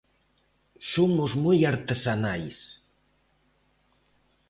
Somos moi artesanais.